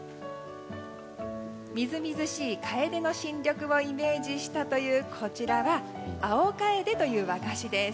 みずみずしいカエデの新緑をイメージしたというこちらは青かえでという和菓子です。